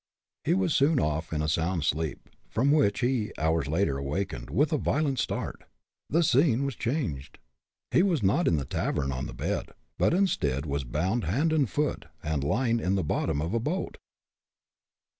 He was soon off in a sound sleep, from which he, hours later, awakened, with a violent start. The scene was changed. He was not in the tavern, on the bed, but instead, was bound hand and foot, and lying in the bottom of a boat!